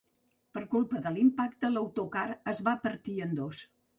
Per culpa de l’impacte, l’autocar es va partir en dos.